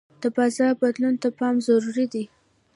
د بازار بدلون ته پام ضروري دی.